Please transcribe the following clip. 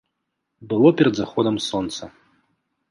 Было перад заходам сонца.